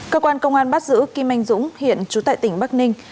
cơ quan công an bắt giữ kim anh dũng